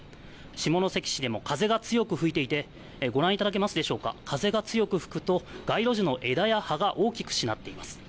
下関市でも風が強く吹いていて、ご覧いただけますでしょうか、風が強く吹くと、街路樹の枝や葉が大きくしなっています。